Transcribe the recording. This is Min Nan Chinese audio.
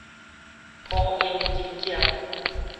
火影忍者